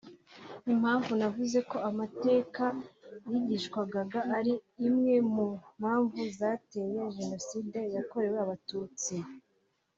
Impanvu navuze ko amateka yigishwagaga ari imwe mu mpanvu zateye Jenoside yakorewe Abatutsi